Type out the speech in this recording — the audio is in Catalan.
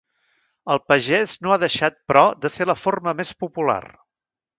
El pagès no ha deixat però de ser la forma més popular.